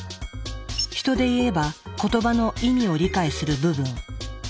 ヒトでいえば言葉の意味を理解する部分。